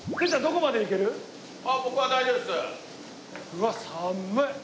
うわっ寒い！